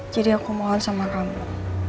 jadi aku mohon sama kamu